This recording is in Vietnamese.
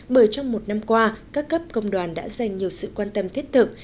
bởi trong một năm qua các cấp công đoàn đã dành nhiều sự quan tâm thiết thực